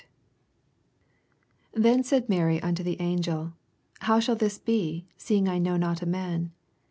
34 Then said Mary unto the angel, How shtd] this be, seeing I know not a man?